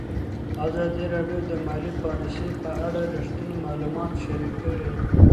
ازادي راډیو د مالي پالیسي په اړه رښتیني معلومات شریک کړي.